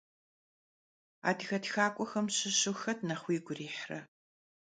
Adıge txak'uexem şışu xet nexh vuigu yirihre?